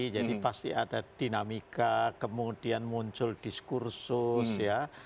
jadi pasti ada dinamika kemudian muncul diskursus ya